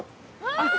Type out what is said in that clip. あっ。